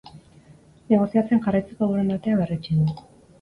Negoziatzen jarraitzeko borondatea berretsi du.